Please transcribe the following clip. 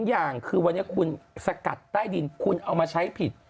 อย่างคือวันนี้คุณสกัดใต้ดินคุณเอามาใช้ผิด